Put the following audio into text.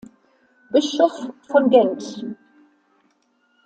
Bischof von Gent.